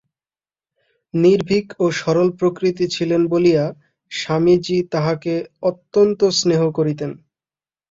নির্ভীক ও সরল-প্রকৃতি ছিলেন বলিয়া স্বামীজী তাঁহাকে অত্যন্ত স্নেহ করিতেন।